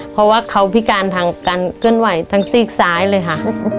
เพราะว่าเขาพิการทางการเคลื่อนไหวทั้งซีกซ้ายเลยค่ะ